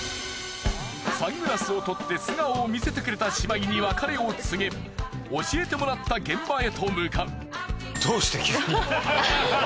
サングラスを取って素顔を見せてくれた姉妹に別れを告げ教えてもらった現場へと向かう。